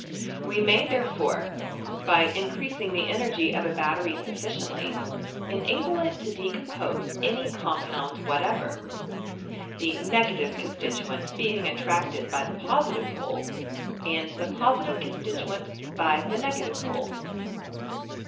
We may, therefore, by increasing the energy of a battery sufficiently, enable it to decom pose any compound whatever, the negative consti tuent being attracted by the positive pole, and the positive constituent by the negative pole.